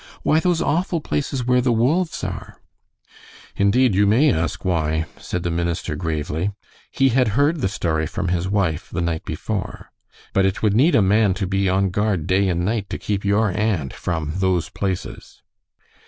"Why, those awful places where the wolves are." "Indeed, you may ask why," said the minister, gravely. He had heard the story from his wife the night before. "But it would need a man to be on guard day and night to keep your aunt from 'those places.'"